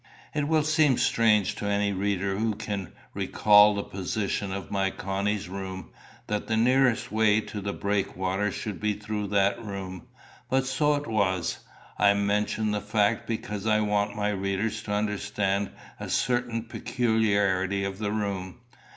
It will seem strange to any reader who can recall the position of my Connie's room, that the nearest way to the breakwater should be through that room; but so it was. I mention the fact because I want my readers to understand a certain peculiarity of the room.